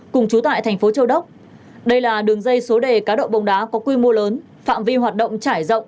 cùng chú tại thành phố châu đốc đây là đường dây số đề cá độ bóng đá có quy mô lớn phạm vi hoạt động trải rộng